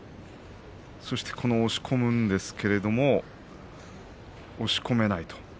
そして押し込むんですけれども押し込めないと。